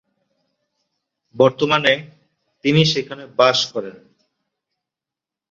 বর্তমানে, তিনি সেখানে বাস করেন।